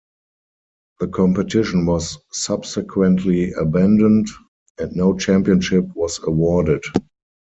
The competition was subsequently abandoned and no championship was awarded.